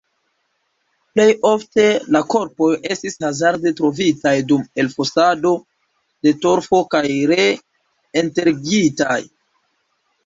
Plej ofte la korpoj estis hazarde trovitaj dum elfosado de torfo kaj ree enterigitaj.